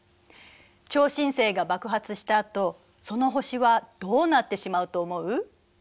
超新星が爆発したあとその星はどうなってしまうと思う？